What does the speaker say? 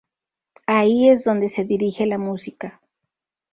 Ahí es donde se dirige la música".